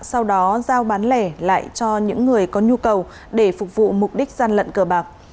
sau đó giao bán lẻ lại cho những người có nhu cầu để phục vụ mục đích gian lận cờ bạc